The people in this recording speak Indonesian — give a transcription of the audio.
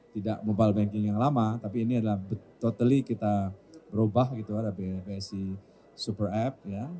tidak mobile banking yang lama tapi ini adalah totally kita berubah gitu ada bsi super app